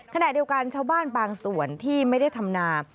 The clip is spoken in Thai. ขณะเดียวกันชาวบ้านบางส่วนที่ไม่ได้ทำนา